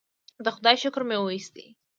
د خدای شکر مې وویست.